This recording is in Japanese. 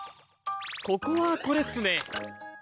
ここはこれっすね。